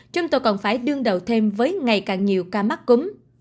chúng tôi còn phải đương đầu thêm với ngày càng nhiều ca mắc cúm